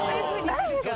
ないですか？